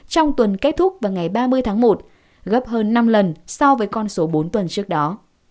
trong tuần kết thúc vào ngày ba mươi tháng một gấp hơn năm lần so với con số bốn tuần trước đó